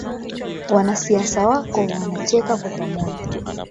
Wanasiasa wako wanacheka kwa Pamoja.